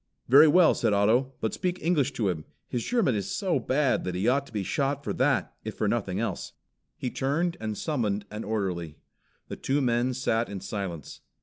"Very well," said Otto, "but speak English to him. His German is so bad that he ought to be shot for that if for nothing else." He turned and summoned an orderly. The two men sat in silence.